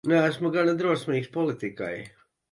Neesmu gana drosmīgs politikai.